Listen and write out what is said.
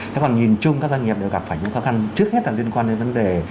thế còn nhìn chung các doanh nghiệp đều gặp phải những khó khăn trước hết là liên quan đến vấn đề